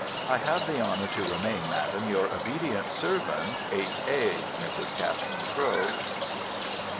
I have the honour to remain, Madam, Your obedient servant, Mrs. Catherine Crowe. H.